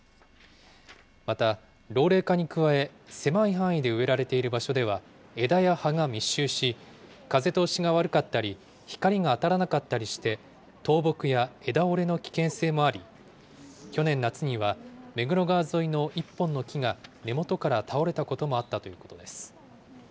また、老齢化に加え、狭い範囲で植えられている場所では、枝や葉が密集し、風通しが悪かったり、光が当たらなかったりして、倒木や枝折れの危険性もあり、去年夏には、目黒川沿いの１本の木が根元から倒れたこともあったということです。